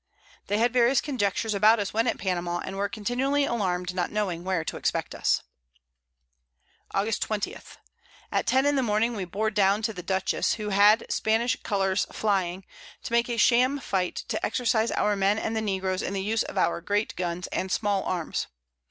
They had various Conjectures about us when at Panama, and were continually allarm'd, not knowing where to expect us. August 20. At 10 in the Morning we bore down to the Dutchess, who had Spanish Colours flying, to make a sham Fight to exercise our Men and the Negroes in the Use of our great Guns and small Arms.